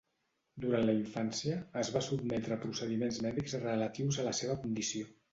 Durant la infància, es va sotmetre a procediments mèdics relatius a la seva condició.